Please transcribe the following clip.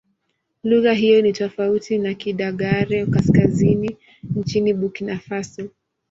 Lugha hiyo ni tofauti na Kidagaare-Kaskazini nchini Burkina Faso.